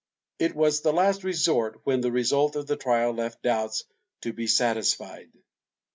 It was the last resort when the result of a trial left doubts to be satisfied.